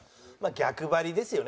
逆張りですよね